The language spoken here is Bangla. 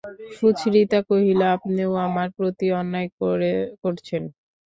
সুচরিতা কহিল, আপনিও আমার প্রতি অন্যায় করছেন।